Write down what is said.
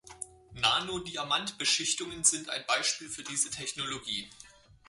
Nano-Diamantbeschichtungen sind ein Beispiel für diese Technologie.